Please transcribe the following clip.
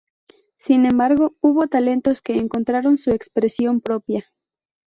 Sin embargo, hubo talentos que encontraron su expresión propia.